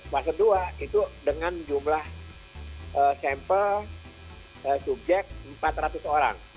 fase dua itu dengan jumlah sampel subjek empat ratus orang